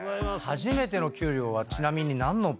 初めての給料はちなみに何の？